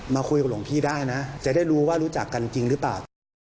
มาคุยกับหลวงพี่ได้นะจะได้รู้ว่ารู้จักกันจริงหรือเปล่า